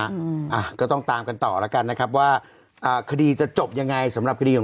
อืมอ่ะก็ต้องตามกันต่อแล้วกันนะครับว่าอ่าคดีจะจบยังไงสำหรับคดีของ